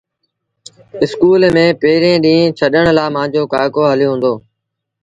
اسڪول ميݩ پيريٚݩ ڏيٚݩهݩ ڇڏڻ لآ مآݩجو ڪآڪو هليو هُݩدو۔